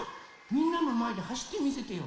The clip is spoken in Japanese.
みんなのまえではしってみせてよ。